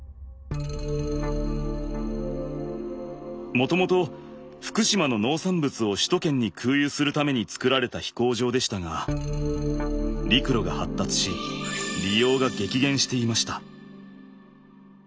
もともと福島の農産物を首都圏に空輸するために造られた飛行場でしたが陸路が発達し利用が激減していました。